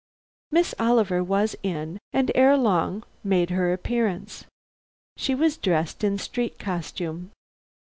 Miss Oliver was in, and ere long made her appearance. She was dressed in street costume.